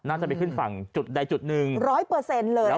น่าจะไปขึ้นฝั่งใดจุดหนึ่ง๑๐๐เลยนะคะ